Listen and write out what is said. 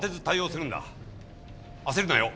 焦るなよ。